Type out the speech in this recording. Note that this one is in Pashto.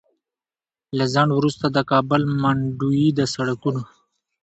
له ځنډ وروسته د کابل منډوي د سړکونو